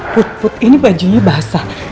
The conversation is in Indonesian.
put put ini bajunya basah